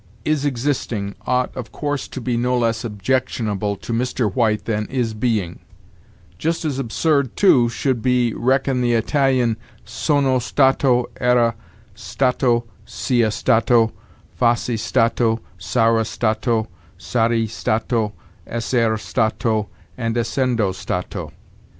Is existing ought, of course, to be no less objectionable to Mr. White than is being. Just as absurd, too, should he reckon the Italian sono stato, era stato, sia stato, fossi stato, saro stato, sarei stato, essere stato, and essendo stato.